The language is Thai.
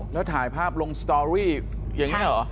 แล้วถ่ายภาพลงสตอรี่อย่างนี้เหรอ